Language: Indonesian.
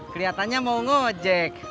kelihatannya mau ngojek